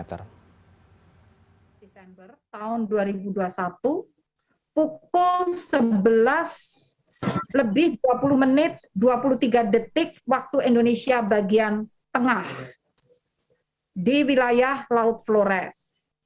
pertama di tahun dua ribu dua puluh satu pukul sebelas dua puluh dua puluh tiga waktu indonesia bagian tengah di wilayah laut flores